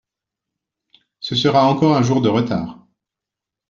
Ce sera encore un jour de retard.